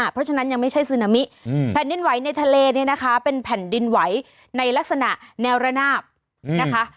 เพราะฉะนั้นยังไม่ใช่ซึนามิแผ่นดินไหวในทะเลเนี่ยนะคะเป็นแผ่นดินไหวในลักษณะแนวระนาบนะคะ